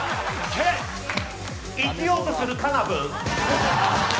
生きようとするカナブン。